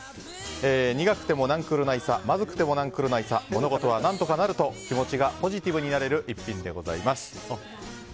苦くてもなんくるないさまずくてもなんくるないさ物事は何とかなると気持ちがポジティブになれる一品でございます。